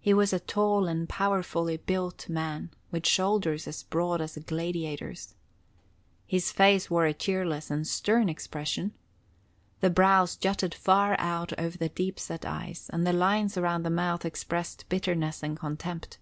He was a tall and powerfully built man, with shoulders as broad as a gladiator's. His face wore a cheerless and stern expression. The brows jutted far out over the deep set eyes, and the lines around the mouth expressed bitterness and contempt.